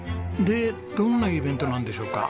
でどんなイベントなんでしょうか？